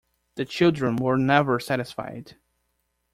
The children were never satisfied.